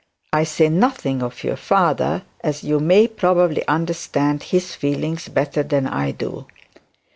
I say nothing of your father, as you may probably understand his feelings better than I do.'